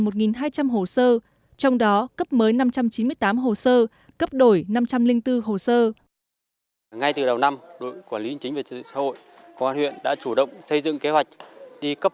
năm trăm linh tám hồ sơ trong đó cấp mới năm trăm chín mươi tám hồ sơ cấp đổi năm trăm linh bốn hồ sơ